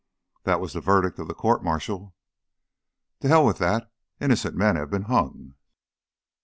"That was the verdict of the court martial." "To hell with that! Innocent men have been hung."